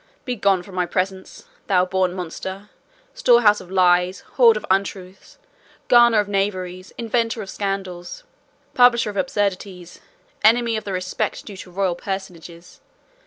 Begone from my presence, thou born monster, storehouse of lies, hoard of untruths, garner of knaveries, inventor of scandals, publisher of absurdities, enemy of the respect due to royal personages!